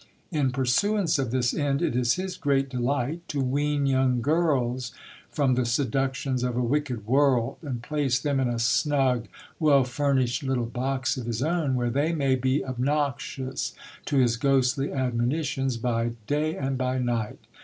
In pursuance of this end, it is his great delight to wean young girls from the seductions of a wicked world, and place them in a snug well furnished little box of his own, where they may be obnoxious to his ghostly admonitions by day and by night.